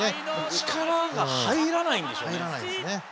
力が入らないんでしょうね。